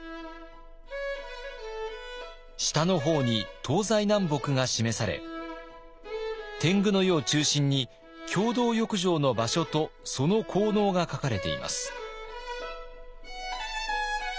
下の方に東西南北が示され天狗の湯を中心に共同浴場の場所とその効能が書かれています。